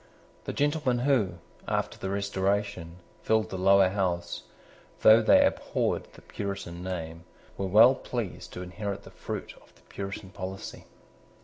The gentlemen who, after the Restoration, filled the Lower House, though they abhorred the Puritan name, were well pleased to inherit the fruit of the Puritan policy.